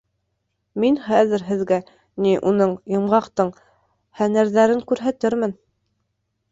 Мин хәҙер һеҙгә, ни, уның, Йомғаҡтың, һәнәрҙәрен күрһәтермен.